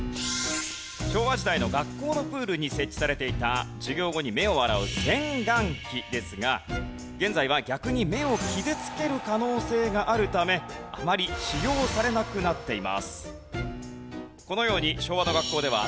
昭和時代の学校のプールに設置されていた授業後に目を洗う洗眼器ですが現在は逆に目を傷つける可能性があるためあまり使用されなくなっています。